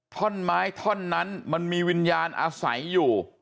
ท่อนไม้ท่อนนั้นมันมีวิญญาณอาศัยอยู่